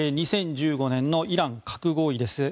２０１５年のイラン核合意です。